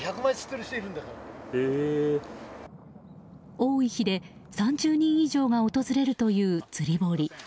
多い日で３０人以上が訪れるという釣り堀。